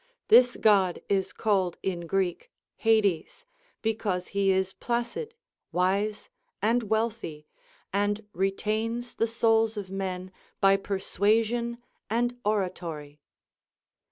This God is called in Greek Hades, because he is placid, wise, and wealthy, and retains the souls of men by persuasion and oratory.